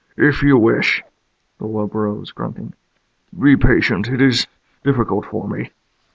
"If you wish." The wub rose, grunting. "Be patient. It is difficult for me."